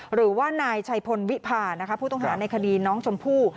หรือว่านายชัยพลวิพานะคะผู้ต้องหาในคดีน้องชมพู่